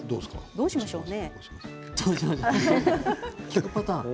どうしましょうね。